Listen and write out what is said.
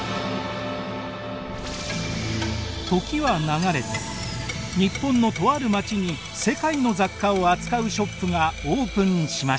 時は流れて日本のとある街に世界の雑貨を扱うショップがオープンしました。